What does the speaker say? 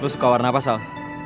lo suka warna apa sal